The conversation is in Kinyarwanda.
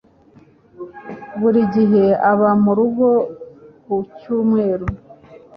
Buri gihe aba murugo ku cyumweru